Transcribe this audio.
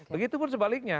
begitu pun sebaliknya